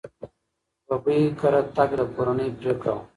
ببۍ کره تګ د کورنۍ پرېکړه وه.